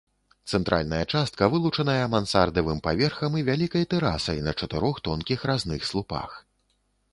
Цэнтральная частка вылучаная мансардавым паверхам і вялікай тэрасай на чатырох тонкіх разных слупах.